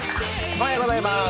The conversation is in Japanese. おはようございます。